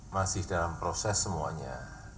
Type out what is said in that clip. masih dalam proses semuanya